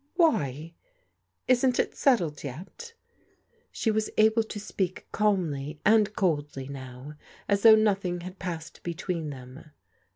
"Why, isn't it settled yet?" She was able to speak calmly and coldly now, as though nothing had passed between them.